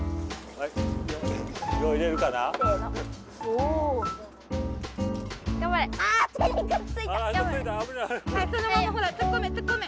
はいそのままほらつっこめつっこめ。